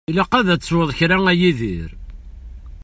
Ilaq ad tesweḍ kra a Yidir.